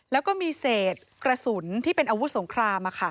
แล้วก็มีเศษกระสุนที่เป็นอาวุธสงคราม